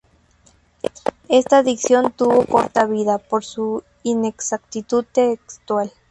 Esta edición tuvo corta vida, por su inexactitud textual.